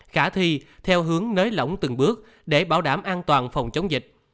khả thi theo hướng nới lỏng từng bước để bảo đảm an toàn phòng chống dịch